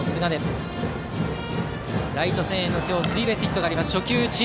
今日ライト線へのスリーベースヒットがあります。